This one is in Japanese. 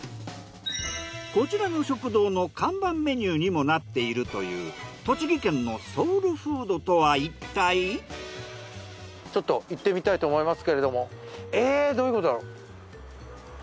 こちらの食堂の看板メニューにもなっているというちょっと行ってみたいと思いますけれどもえどういうことだろう？